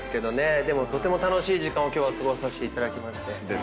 とても楽しい時間を今日は過ごさせていただきまして。